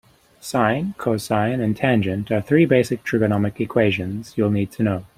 Sine, cosine and tangent are three basic trigonometric equations you'll need to know.